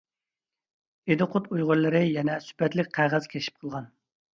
ئىدىقۇت ئۇيغۇرلىرى يەنە سۈپەتلىك قەغەز كەشىپ قىلغان.